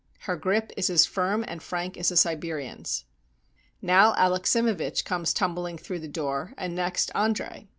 Her grip is as firm and frank as a Siberian's. Now Alexsimevich comes tumbling through the door, and next Andre.